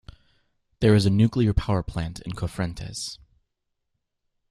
There is a nuclear power plant in Cofrentes.